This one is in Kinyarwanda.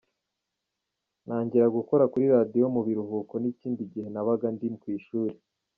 Ntangira gukora kuri radiyo mu biruhuko n’ikindi gihe nabaga ndi ku ishuri.